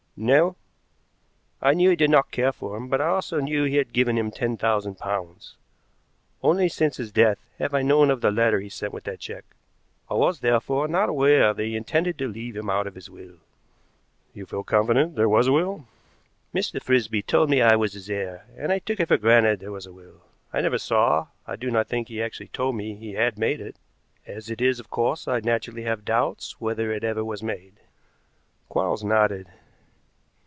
"No; I knew he did not care for him, but I also knew he had given him ten thousand pounds. Only since his death have I known of the letter he sent with that check. I was, therefore, not aware that he intended to leave him out of his will." "You feel confident there was a will?" "Mr. Frisby told me I was his heir, and I took it for granted there was a will. I never saw, I do not think he actually told me he had made it. As it is, of course, I naturally have doubts whether it ever was made." Quarles nodded.